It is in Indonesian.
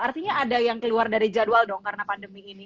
artinya ada yang keluar dari jadwal dong karena pandemi ini